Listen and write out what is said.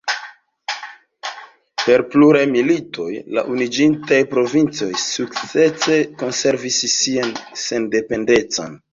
Per pluraj militoj, la Unuiĝintaj Provincoj sukcese konservis sian sendependecon.